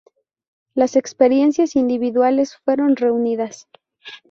Las experiencias individuales fueron reunidas.